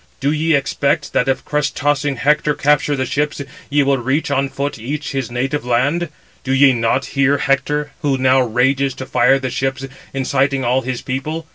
Do ye expect that if crest tossing Hector capture the ships, ye will reach on foot each his native land? Do ye not hear Hector, who now rages to fire the ships, inciting all his people?